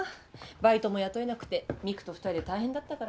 バイトも雇えなくて未来と２人で大変だったからさ。